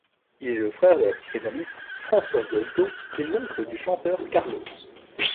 Il est le frère de la psychanalyste Françoise Dolto et l'oncle du chanteur Carlos.